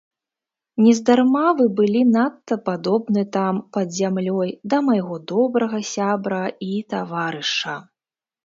Нездарма вы былі надта падобны там пад зямлёй да майго добрага сябра і таварыша.